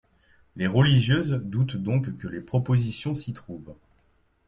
Les religieuses doutent donc que les propositions s'y trouvent.